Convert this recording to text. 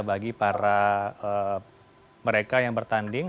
bagi para mereka yang bertanding